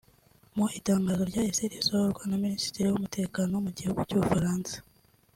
Mu itangazo ryahise risohorwa na Minisitiri w’Umutekano mu gihugu cy’u Bufaransa